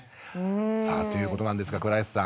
さあということなんですが倉石さん。